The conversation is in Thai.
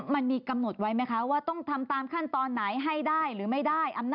มันมีกำหนดไว้ไหมคะว่าต้องทำตามขั้นตอนไหนให้ได้หรือไม่ได้